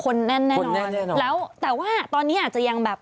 แน่นแน่นอนแล้วแต่ว่าตอนนี้อาจจะยังแบบ